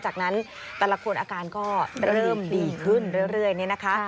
จากนั้นแต่ละคนอาการก็เริ่มดีขึ้นเรื่อยนี่นะคะ